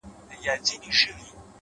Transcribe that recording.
عقل د احساساتو لار سموي،